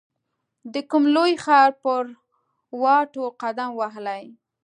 د کوم لوی ښار پر واټو قدم وهلی